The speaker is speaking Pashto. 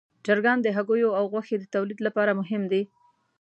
چرګان د هګیو او غوښې د تولید لپاره مهم دي.